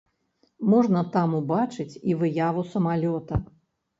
Можна там убачыць і выяву самалёта.